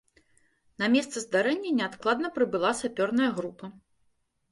На месца здарэння неадкладна прыбыла сапёрная група.